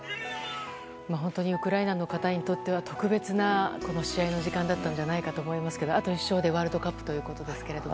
本当にウクライナの方にとっては特別な試合の時間だったと思いますがあと１勝でワールドカップということですが。